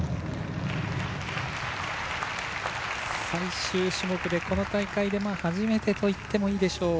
最終種目で、この大会で初めてといってもいいでしょう